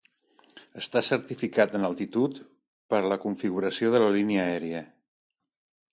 Està certificat en altitud per a la configuració de la línia aèria.